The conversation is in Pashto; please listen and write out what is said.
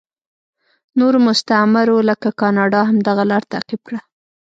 نورو مستعمرو لکه کاناډا هم دغه لار تعقیب کړه.